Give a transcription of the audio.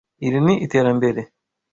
Iri ni iterambere.